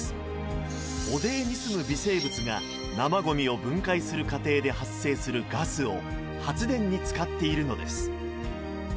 汚泥に住む微生物が生ごみを分解する過程で発生するガスを発電に使っているのです。